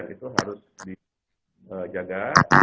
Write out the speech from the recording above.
itu harus dijaga